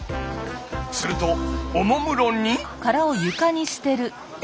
するとおもむろに。